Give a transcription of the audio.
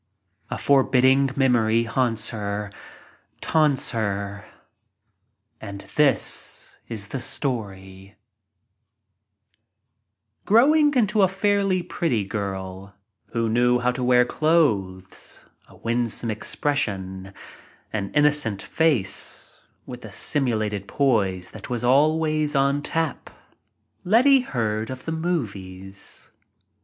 A forbidding Memory haunts her, taunts her. And this is the story: | Growing into a fairly pretty girl who knew how to wear clothes, a winsome expression, an innocent face, with a simulated poise that was always on tap, Letty heard of the movies.